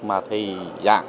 mà thầy dạng